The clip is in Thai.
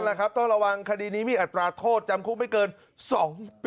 แหละครับต้องระวังคดีนี้มีอัตราโทษจำคุกไม่เกิน๒ปี